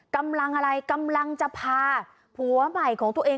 กำลังอะไรกำลังจะพาผัวใหม่ของตัวเอง